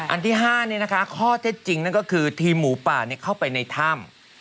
อันที่ห้านี้นะคะข้อเท็จจริงก็คือทีมหมูป่าเข้าไปในถ้ำ